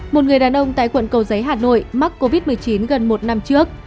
một người đàn ông tại quận cầu giấy hà nội mắc covid một mươi chín gần một năm trước